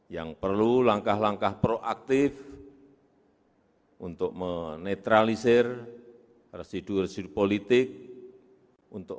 yang perlu langkah langkah proaktif untuk menetralisir prosedur politik untuk